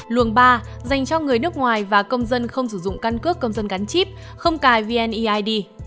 luồng ba dành cho người nước ngoài và công dân không sử dụng căn cước công dân gắn chip không cài vneid